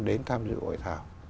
đến tham dự hội thảo